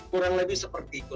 kurang lebih seperti itu